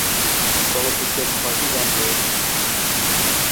চলচ্চিত্রে ছয়টি গান রয়েছে।